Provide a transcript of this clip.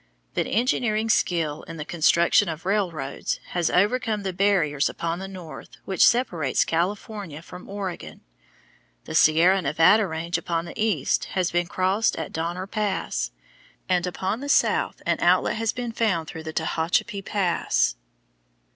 But engineering skill in the construction of railroads has overcome the barrier upon the north which separates California from Oregon. The Sierra Nevada range upon the east has been crossed at Donner Pass, and upon the south an outlet has been found through the Tehachapi Pass.